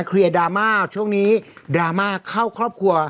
ดราม่าช่วงนี้ดราม่าเข้าครอบครัว